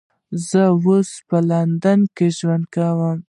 زه اوس په لندن کې ژوند کوم